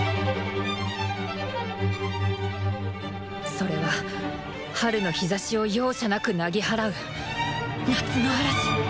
それは春の日ざしを容赦なくなぎ払う「夏の嵐」